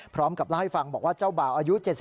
พร้อมกับเล่าให้ฟังบอกว่าเจ้าบ่าวอายุ๗๒